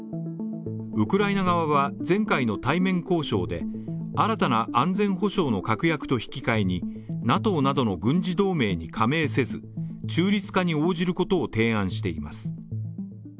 ウクライナ側は、前回の対面交渉で新たな安全保障の確約と引き換えに、ＮＡＴＯなどの軍事同盟に加盟せず中立化に応じることを提案しています。